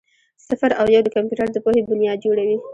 صفر او یو د کمپیوټر د پوهې بنیاد جوړوي.